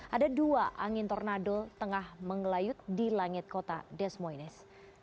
ada dua angin tornado tengah mengelayut di langit kota desmoines